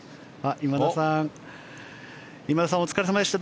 今田さん、お疲れ様でした。